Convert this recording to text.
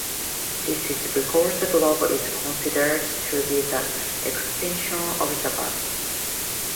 This is because the glove is considered to be the extension of the bat.